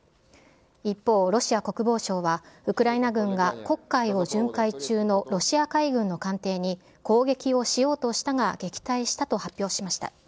一方、ロシア国防省は、ウクライナ軍が黒海を巡回中のロシア海軍の艦艇に攻撃をしようとしたが、撃退したと発表しました。